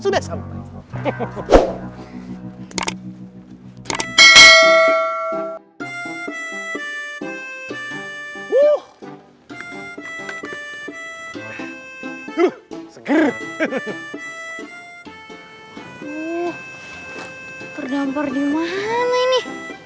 terdampar di mana ini